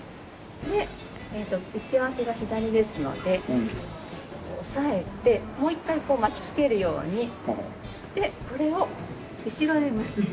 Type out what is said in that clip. で合わせが左ですので押さえてもう一回巻き付けるようにしてこれを後ろへ結ぶ。